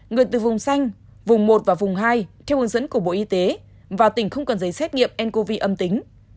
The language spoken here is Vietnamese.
người từ vùng xanh vùng một và vùng hai theo hướng dẫn của bộ y tế và tỉnh không còn giấy xét nghiệm ncov âm tính